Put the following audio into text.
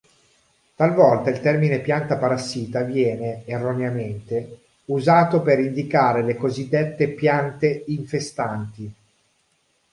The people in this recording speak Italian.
Talvolta il termine pianta parassita viene, erroneamente, usato per indicare le cosiddette piante infestanti.